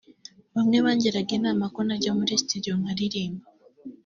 bamwe bangiraga inama ko najya muri studio nkaririmba